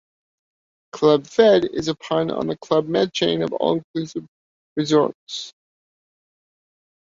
"Club Fed" is a pun on the "Club Med" chain of all-inclusive resorts.